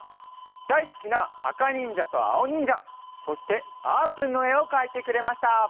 だいすきなあかにんじゃとあおにんじゃそしてあーぷんのえをかいてくれました。